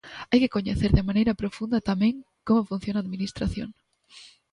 Hai que coñecer de maneira profunda tamén como funciona a Administración.